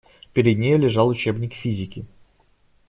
Перед нею лежал учебник физики.